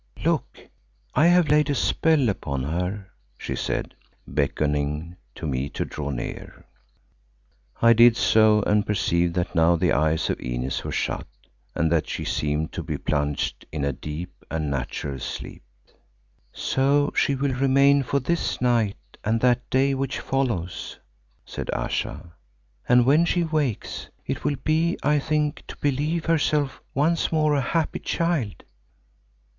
"Look, I have laid a spell upon her," she said, beckoning to me to draw near. I did so and perceived that now the eyes of Inez were shut and that she seemed to be plunged in a deep and natural sleep. "So she will remain for this night and that day which follows," said Ayesha, "and when she wakes it will be, I think, to believe herself once more a happy child.